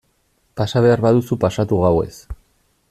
Pasa behar baduzu pasatu gauez...